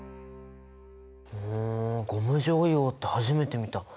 ふんゴム状硫黄って初めて見た。